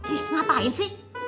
ih ngapain sih